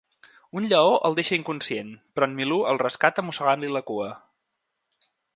Un lleó el deixa inconscient, però en Milú el rescata mossegant-li la cua.